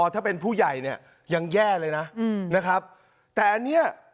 ถ้าเป็นผู้ใหญ่เนี่ยยังแย่เลยนะนะครับแต่อันเนี้ย